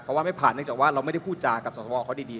เพราะว่าไม่ผ่านเนื่องจากว่าเราไม่ได้พูดจากับสวเขาดี